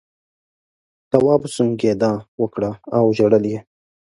تواب سونگېدا وکړه او ژړل یې.